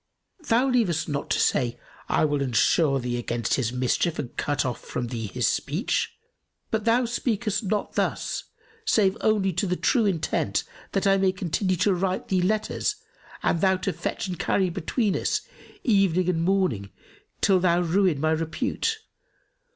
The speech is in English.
Thou leavest not to say, 'I will ensure thee against his mischief and cut off from thee his speech'; but thou speakest not thus save only to the intent that I may continue to write thee letters and thou to fetch and carry between us, evening and morning, till thou ruin my repute.